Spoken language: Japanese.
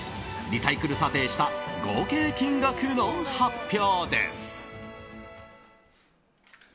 リサイクル査定した合計金額の発表です。